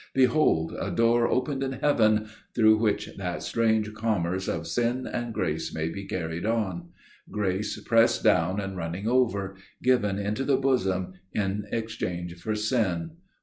'Behold! a door opened in heaven,' through which that strange commerce of sin and grace may be carried on––grace pressed down and running over, given into the bosom in exchange for sin!